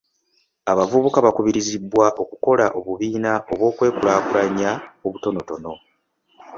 Abavubuka bakubirizibwa okukola obubiina bw'okwekulaakulanya obutonotono.